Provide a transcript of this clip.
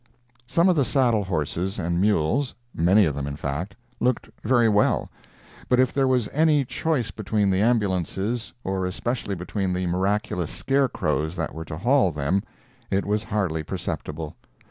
Some of the saddle horses and mules—many of them, in fact—looked very well; but if there was any choice between the ambulances, or especially between the miraculous scarecrows that were to haul them, it was hardly perceptible.